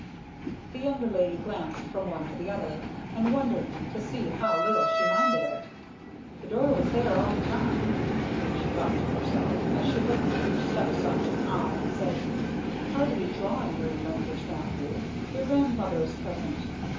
The younger lady glanced from one to the other, and wondered to see how little she minded it. "The door was there all the time!" she thought to herself, as she looked her stepson in the eye and said, "Hardly drawing room language, Matthew. Your grandmother is present!"